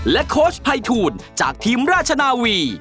และโคชด์ไพทูนจากทีมราชนาวี